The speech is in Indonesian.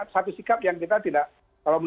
satu sikap yang kita tidak terlalu